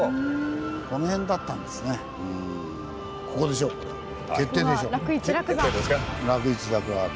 この辺だったんですね。決定でしょう。